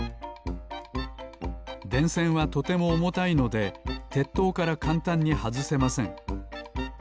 でんせんはとてもおもたいのでてっとうからかんたんにはずせません。